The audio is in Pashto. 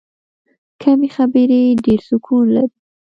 کمې خبرې، ډېر سکون لري.